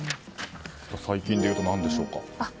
最近で言うと何でしょうか。